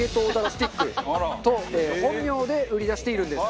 スティックと本名で売り出しているんです。